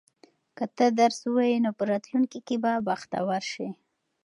که ته درس ووایې نو په راتلونکي کې به بختور شې.